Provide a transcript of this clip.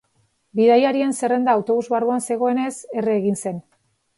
Bidaiarien zerrenda autobus barruan zegoenez, erre egin zen.